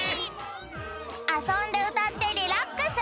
あそんでうたってリラックス！